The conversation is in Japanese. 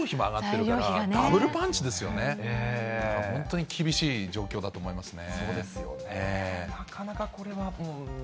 だから本当に厳しい状況だと思いますね。